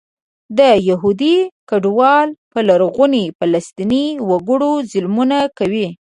دا یهودي کډوال په لرغوني فلسطیني وګړو ظلمونه کوي.